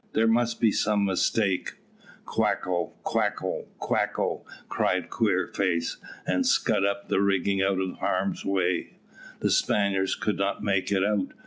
There must be some mistake." "Quacko Quacko Quacko," cried Queerface, and scud up the rigging out of harm's way. The Spaniards could not make it out.